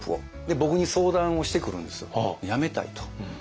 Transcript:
僕に相談をしてくるんですよ辞めたいと。